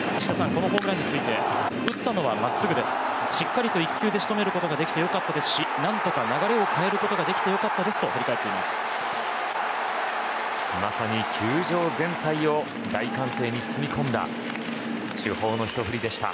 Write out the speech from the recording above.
このホームランについて打ったのはまっすぐですしっかりと１球で仕留めることがてきで良かったですし何とか流れを変えられてまさに球場全体を大歓声に包み込んだ主砲のひと振りでした。